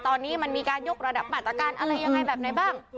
ตอนนี้มันมีการยกระดับมาตรการอะไรยังไงแบบไหนบ้าง